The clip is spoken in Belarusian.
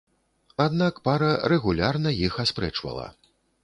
Аднак пара рэгулярна іх аспрэчвала.